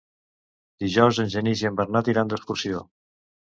Dijous en Genís i en Bernat iran d'excursió.